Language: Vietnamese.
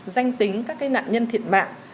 danh tính các nạn nhân thiệt mạng